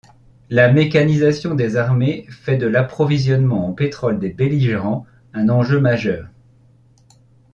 La mécanisation des armées fait de l’approvisionnement en pétrole des belligérants un enjeu majeur.